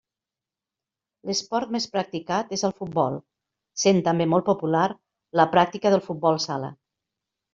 L'esport més practicat és el futbol, sent també molt popular la pràctica del futbol sala.